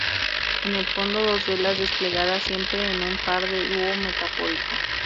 En el fondo, dos velas desplegadas, siempre en un par duo metafórico.